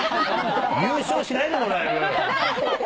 優勝しないでもらえる？